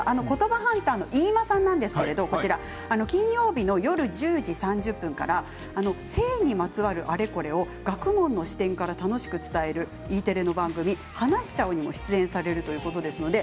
ことばハンターの飯間さんですが金曜日の夜１０時３０分から性にまつわるあれこれを学問の視点から楽しく伝えるＥテレの番組「はなしちゃお！」にも出演されるということです。